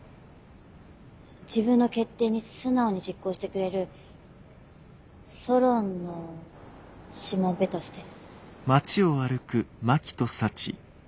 自分の決定に素直に実行してくれるソロンのしもべとして。